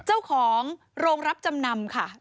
เจ้าของโรงรับจำนำค่ะ